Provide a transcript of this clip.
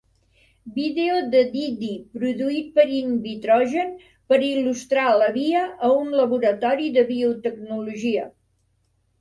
Vídeo de Diddy produït per Invitrogen per il·lustrar la via a un laboratori de biotecnologia.